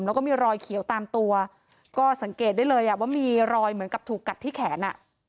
แล้วก็มีรอยเขียวตามตัวก็สังเกตได้เลยอ่ะว่ามีรอยเหมือนกับถูกกัดที่แขนอ่ะ